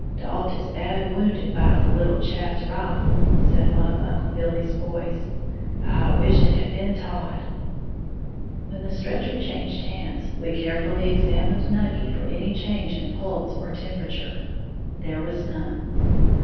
"Dalt is bad wounded by the little chap's rifle," said one of "Uncle Billy's boys", "I wisht it had been Todd." When the stretcher changed hands, we carefully examined Nucky for any change in pulse or temperature. There was none.